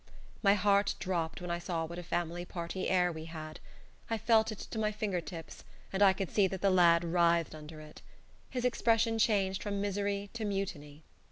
My heart dropped when I saw what a family party air we had. I felt it to my finger tips, and I could see that the lad writhed under it. His expression changed from misery to mutiny.